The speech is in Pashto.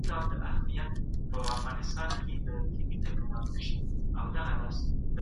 تاسو به د خپل ژوند اهداف ټاکئ.